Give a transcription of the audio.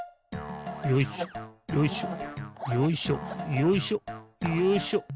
よいしょよいしょよいしょよいしょよいしょ。